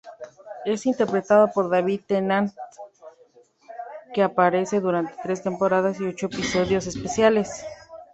Es interpretado por David Tennant, que aparece durante tres temporadas y ocho episodios especiales.